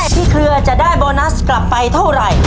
เครือจะได้โบนัสกลับไปเท่าไหร่